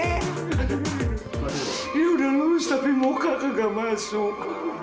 ini udah lulus tapi moka kagak masuk